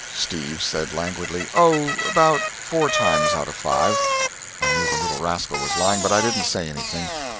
Steve said languidly, "Oh, about four times out of five." I knew the little rascal was lying, but I didn't say anything.